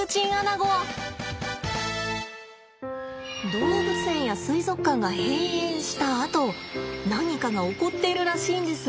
動物園や水族館が閉園したあと何かが起こっているらしいんです。